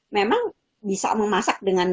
memang bisa memasak dengan